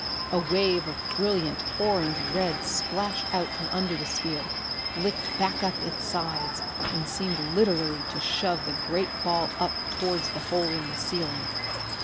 A wave of brilliant orange red splashed out from under the sphere, licked back up its sides, and seemed literally to shove the great ball up towards the hole in the ceiling.